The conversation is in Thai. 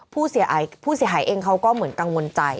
เพราะว่าผู้เสียหายเองเขาก็เหมือนกังวลใจ